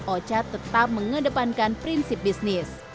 ocha tetap mengedepankan prinsip bisnis